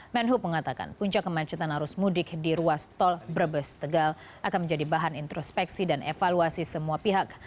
menhub mengatakan puncak kemacetan arus mudik di ruas tol brebes tegal akan menjadi bahan introspeksi dan evaluasi semua pihak